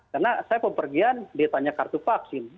karena saya pempergian ditanya kartu vaksin